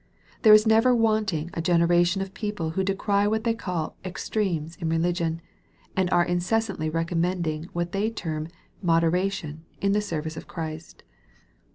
There is never wanting a generation of peoj le who decry what they call " extremes" in religion, and are incessantly recommending what they term "moderation" in the service of Christ.